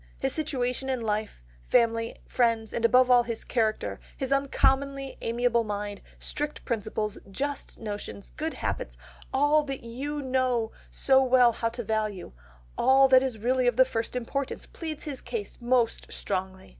His situation in life, family, friends and above all his character, his uncommonly amiable mind, strict principles, just notions, good habits, all that you know so well how to value, all that is really of the first importance, pleads his cause most strongly.